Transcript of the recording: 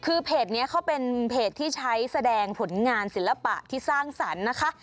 คือเพจนี้เขาเป็นเพจที่ใช้แสดงผลงานศิลปะที่สร้างสรรค์นะคะ